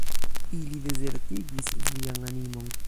Ili dezertigis vian animon!